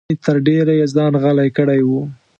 ګنې تر ډېره یې ځان غلی کړی و.